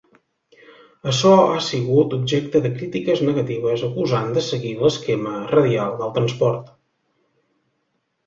Açò ha sigut objecte de crítiques negatives acusant de seguir l'esquema radial del transport.